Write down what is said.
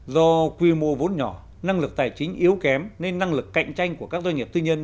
do quy mô vốn nhỏ năng lực tài chính yếu kém nên năng lực cạnh tranh của các doanh nghiệp tư nhân